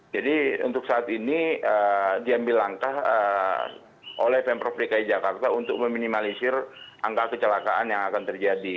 jadi untuk saat ini diambil langkah oleh pempros dki jakarta untuk meminimalisir angka kecelakaan yang akan terjadi